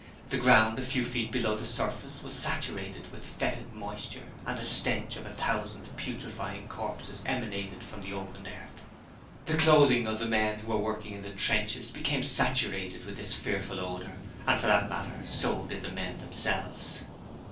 The ground a few feet below the surface was saturated with fetid moisture and a stench as of a thousand putrefying corpse emanated from the opened earth. The clothing of the men who were working in the trenches became saturated with this fearful odour, and for that matter, so did the men themselves.